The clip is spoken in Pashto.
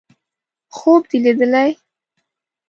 _خوب دې ليدلی!